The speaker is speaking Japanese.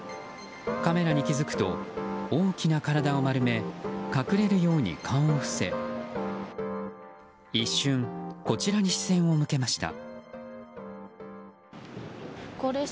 カメラに気付くと大きな体を丸め隠れるように顔を伏せ一瞬、こちらに視線を向けました。